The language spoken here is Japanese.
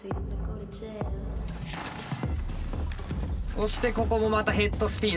そしてここもまたヘッドスピン。